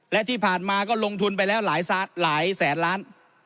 และที่ผ่านมาก็ลงทุนไปแล้วหลายแสนล้าน